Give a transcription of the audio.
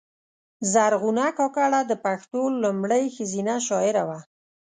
زرغونه کاکړه د پښتو لومړۍ ښځینه شاعره وه .